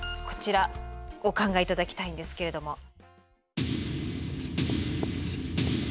こちらお考え頂きたいんですけれども。